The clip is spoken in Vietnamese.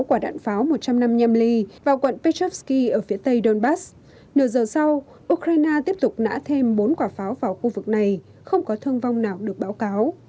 ukraine đã bắn sáu quả đạn pháo một trăm linh năm nhâm ly vào quận pechovsky ở phía tây donbass nửa giờ sau ukraine tiếp tục nã thêm bốn quả pháo vào khu vực này không có thương vong nào được báo cáo